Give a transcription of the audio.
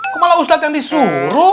kok malah ustad yang disuruh